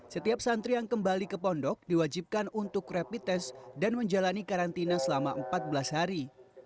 setiap santri yang kembali ke pondok diwajibkan untuk rapid test dan menjalani karantina selama empat belas hari